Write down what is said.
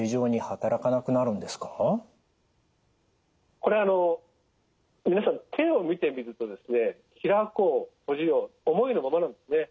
これ皆さん手を見てみるとですね開こう閉じよう思いのままなんですね。